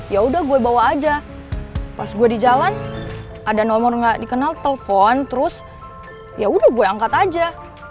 ya udah gue bawa aja pas gue di jalan ada nomor gak dikenal telpon terus yaudah gue angkat aja